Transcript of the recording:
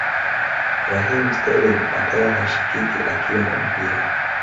Raheem Sterling akawa hashikiki akiwa na mpira